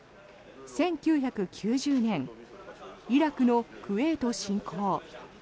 １９９０年イラクのクウェート侵攻。